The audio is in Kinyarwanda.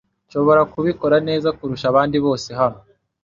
Nshobora kubikora neza kurusha abandi bose hano.